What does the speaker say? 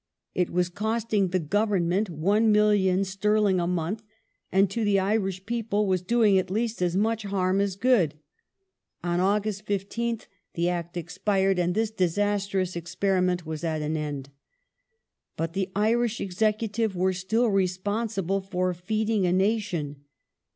It was costing the Government one million sterling a month, and to the Irish people was doing at least as much harm as good. On August 15th the Act expired, and this disastrous experiment was at an end. But the Irish Executive were still responsible for feeding a nation.